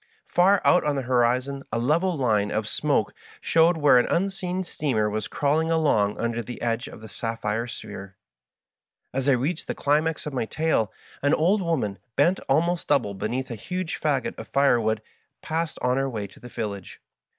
Far out on the horizon a level line of smoke showed where an unseen steamer was crawling along under the edge of the sapphire sphere. As I reached the climax of my tale an old woman, bent almost double beneath a huge fagot of firewood, passed us on her way to the village.